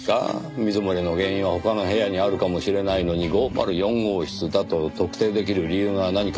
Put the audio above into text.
水漏れの原因は他の部屋にあるかもしれないのに５０４号室だと特定できる理由が何かあったのでしょうか？